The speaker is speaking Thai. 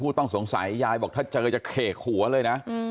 ต้องสงสัยยายบอกถ้าเจอจะเขกหัวเลยนะ